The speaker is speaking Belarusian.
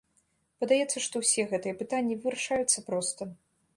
Падаецца, што ўсе гэтыя пытанні вырашаюцца проста.